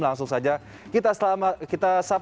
langsung saja kita selamat pagi bang safir